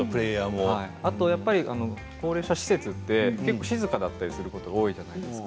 あとは高齢者施設って結構静かだったりすることが多いじゃないですか。